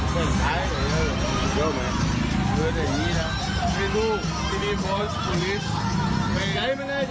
มันให้ออกไปทางนี้